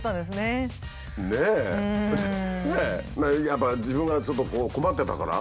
やっぱ自分がちょっと困ってたから？